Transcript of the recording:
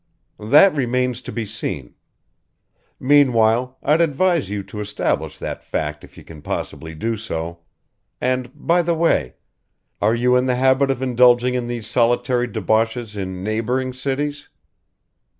"That remains to be seen. Meanwhile, I'd advise you to establish that fact if you can possibly do so. And by the way: are you in the habit of indulging in these solitary debauches in neighboring cities?"